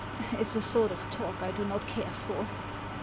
" It's a sort of talk I do not care for."